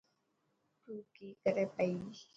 تون ڪي ڪري پئي.